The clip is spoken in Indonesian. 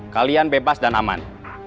kalian bebas dan aman